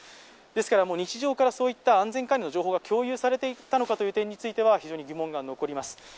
ですから、日常からそういった安全管理の情報が共有されていたのかといったことには非常に疑問が残ります。